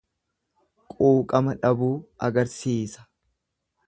Quuqama dhabuu agarsiisa.